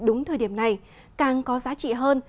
đúng thời điểm này càng có giá trị hơn